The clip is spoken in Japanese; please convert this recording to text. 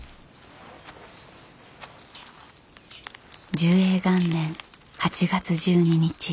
寿永元年８月１２日。